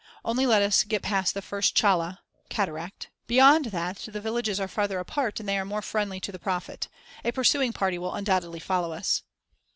Only let us get past the first 'challa' (cataract); beyond that the villages are farther apart and they are more friendly to the prophet. A pursuing party will undoubtedly follow us."